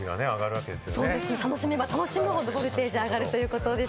楽しめば楽しむほど、ボルテージが上がるということです。